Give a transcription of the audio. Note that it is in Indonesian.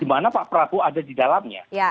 di mana pak prabowo ada di dalamnya